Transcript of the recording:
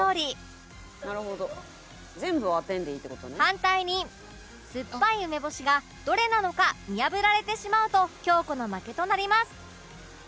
反対に酸っぱい梅干しがどれなのか見破られてしまうと京子の負けとなります